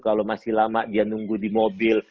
kalau masih lama dia nunggu di mobil